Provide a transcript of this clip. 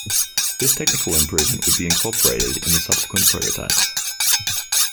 This technical improvement would be incorporated in the subsequent prototypes.